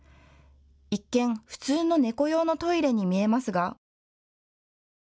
一見普通の猫用のトイレに見えますが。